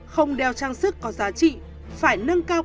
không đeo trang sức có giá trị phải nâng cao